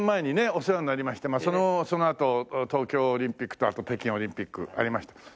お世話になりましてそのあと東京オリンピックとあと北京オリンピックありました。